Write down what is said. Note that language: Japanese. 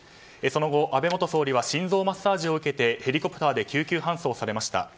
その後、安倍元総理は心臓マッサージを受けてヘリコプターで救急搬送されました。